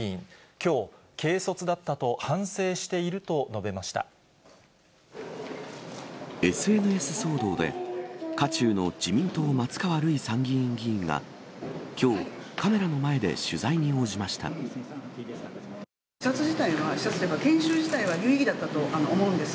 きょう、軽率だったと反省していＳＮＳ騒動で、渦中の自民党、松川るい参議院議員が、きょう、視察自体は、視察というか、研修自体は有意義だったと思うんです。